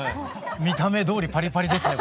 見た目どおりパリパリですね